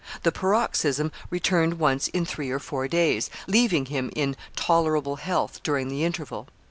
The paroxysm returned once in three or four days, leaving him in tolerable health during the interval.